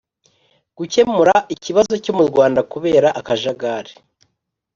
gukemura ikibazo cyo mu rwanda, kubera akajagari